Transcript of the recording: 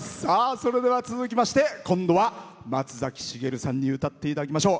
それでは続きまして今度は松崎しげるさんに歌っていただきましょう。